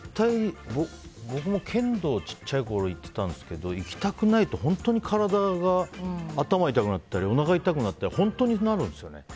僕は剣道を小さい時行ってたんですけど行きたくないと本当に体が頭痛くなったりおなか痛くなったり本当になるんですよね。